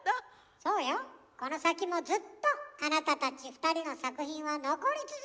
そうよこの先もずっとあなたたち２人の作品は残り続けるのよ。